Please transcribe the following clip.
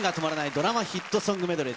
ドラマヒットソングメドレー。